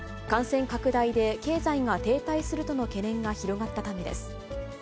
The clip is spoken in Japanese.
感染拡大で経済が停滞するとの懸念が広がったためです。